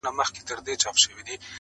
له هوا به مې اخستې وي مچکه